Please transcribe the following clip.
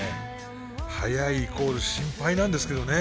速いイコール心配なんですけどね